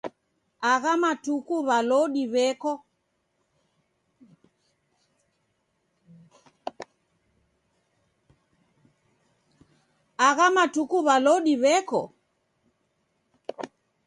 Agha matuku w'alodi w'eko?